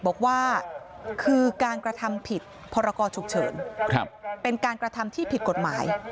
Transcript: บอกว่าคือการกระทำผิดพรกรฉุกเฉินเป็นการกระทำที่ผิดกฎหมาย